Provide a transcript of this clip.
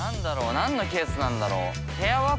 何のケースなんだろう？